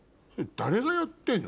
誰がやってんの？